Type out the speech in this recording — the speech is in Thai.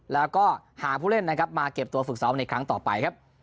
แล้วก็หาผู้เล่นมาเก็บตัวฝึกเสาในครั้งต่อไปครับ